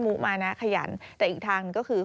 ุมานะขยันแต่อีกทางก็คือ